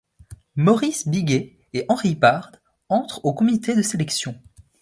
Maurice Bigué et Henri Bard entrent au Comité de sélection.